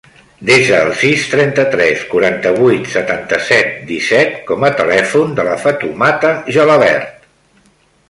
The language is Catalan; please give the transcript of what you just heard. Desa el sis, trenta-tres, quaranta-vuit, setanta-set, disset com a telèfon de la Fatoumata Gelabert.